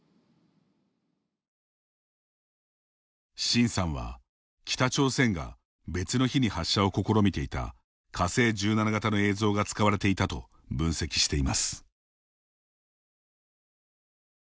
シンさんは、北朝鮮が別の日に発射を試みていた火星１７型の映像が使われていたと分析しています。